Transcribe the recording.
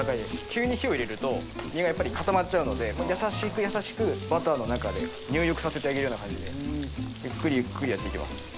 急に火を入れると身が固まっちゃうのでやさしくやさしくバターの中で入浴させてあげるような感じでゆっくりゆっくりやって行きます。